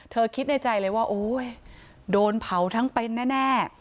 คิดในใจเลยว่าโอ๊ยโดนเผาทั้งเป็นแน่